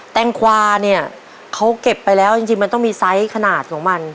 แงควาเนี่ยเขาเก็บไปแล้วจริงมันต้องมีไซส์ขนาดของมัน